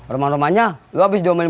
rumah rumahnya lo abis dua milimeter